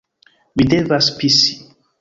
Mi devas pisi